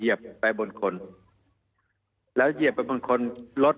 มีความรู้สึกว่ามีความรู้สึกว่า